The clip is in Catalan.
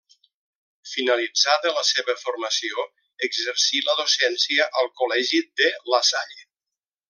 Finalitzada la seva formació, exercí la docència al Col·legi de La Salle.